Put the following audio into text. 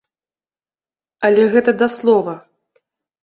Але гэта да слова.